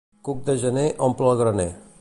Cuc de gener omple el graner.